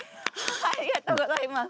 ありがとうございます。